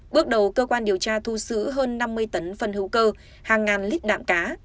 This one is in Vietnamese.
bước đầu cơ quan điều tra thu giữ hơn năm mươi tấn phân hữu cơ hàng ngàn lít đạm cá